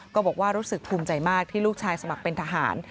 ก็บอกว่ารู้สึกภูมิใจมากที่ลูกชายสมัครเป็นทหาร